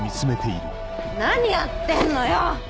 何やってんのよ！